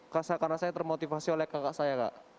karena saya termotivasi oleh kakak saya kak